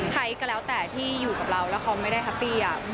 ใครก็แล้วแต่ที่อยู่กับเราแล้วเขาไม่ได้แฮปปี้